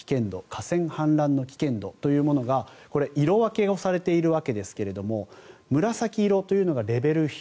河川氾濫の危険度というものが色分けをされているわけですが紫色というのがレベル